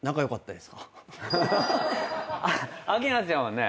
明菜ちゃんはね